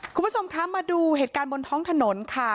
คุณผู้ชมคะมาดูเหตุการณ์บนท้องถนนค่ะ